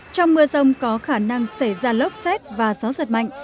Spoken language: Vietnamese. trong mưa rông có khả năng xảy ra lốc xét và gió giật mạnh